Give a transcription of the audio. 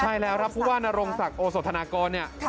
ใช่แล้วครับผู้ว่านรงศักดิ์โอสถานกร